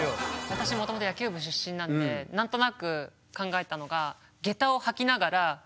私もともと野球部出身なんでなんとなく考えたのがあ